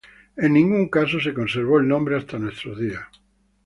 En ningún caso se conservó el nombre hasta nuestros días.